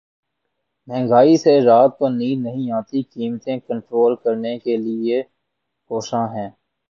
مہنگائی سے رات کو نیند نہیں آتی قیمتیں کنٹرول کرنے کے لیے کوشاں ہیں